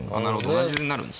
同じになるんですね。